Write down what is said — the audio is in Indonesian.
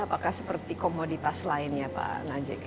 apakah seperti komoditas lainnya pak najek